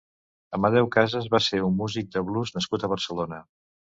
Amadeu Casas va ser un músic de blues nascut a Barcelona.